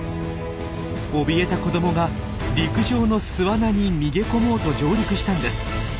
おびえた子どもが陸上の巣穴に逃げ込もうと上陸したんです。